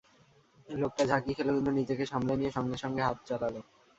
লোকটা ঝাঁকি খেল, কিন্তু নিজেকে সামলে নিয়ে সঙ্গে সঙ্গে হাত চালাল।